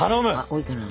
多いかな。